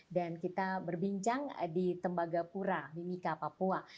dan kita berbincang di tembagapura mimika papua